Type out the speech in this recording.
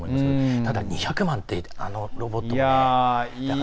ただ、あれ２００万っていうロボットが。